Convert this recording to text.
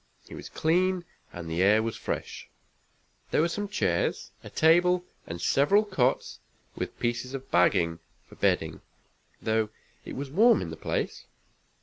It was clean, and the air was fresh. There were some chairs, a table, and several cots, with pieces of bagging for bedding, though it was warm in the place.